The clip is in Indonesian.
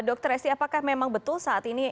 dokter esty apakah memang betul saat ini